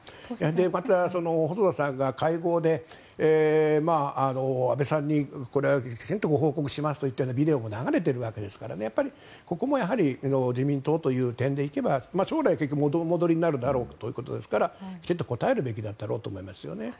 また、細田さんが会合で安倍さんにこれだけきちんとご報告しますといったようなビデオも流れているわけですからここも自民党という点でいけば将来お戻りになるだろうということですからきちんと答えるべきだろうと思いますね。